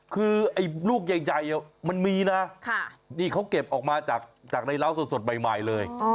คือลูกใหญ่มันมีน่ะเขาเก็บออกมาจากในเล้าสดตัวใหม่เลย